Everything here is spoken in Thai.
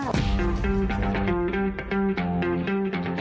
คุณสินค่ะ